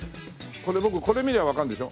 これ僕これ見りゃあわかるんでしょ？